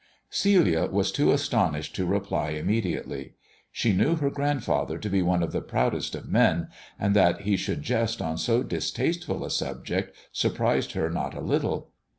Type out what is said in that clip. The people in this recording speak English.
Celia was too astonished to reply immediately. She knew her grandfather to be one of the proudest of men, and that he should jest on so distasteful a subject surprised her not a little.